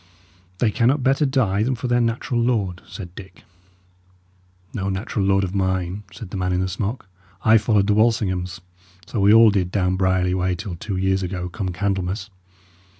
"They cannot better die than for their natural lord," said Dick. "No natural lord of mine," said the man in the smock. "I followed the Walsinghams; so we all did down Brierly way, till two years ago, come Candlemas.